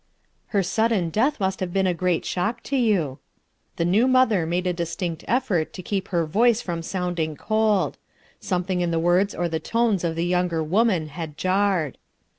"Her sudden death must have been a great shock to you/ 1 The new mother made a distinct effort to keep her voice from sounding cold. Something in the words or the tones of the younger woman had jarred.